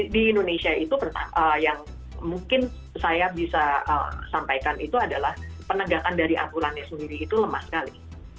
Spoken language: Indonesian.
di indonesia itu yang mungkin saya bisa sampaikan itu adalah penegakan dari aturannya sendiri itu lemah sekali